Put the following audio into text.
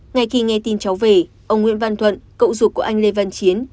ngày khi nghe tin cháu về ông nguyễn văn thuận cậu dục của anh lê văn chiến